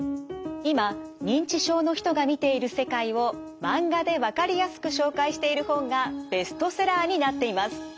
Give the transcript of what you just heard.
今認知症の人が見ている世界をマンガでわかりやすく紹介している本がベストセラーになっています。